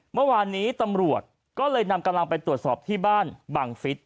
เมื่อวานนี้ตำรวจก็เลยนำกำลังไปตรวจสอบที่บ้านบังฟิศ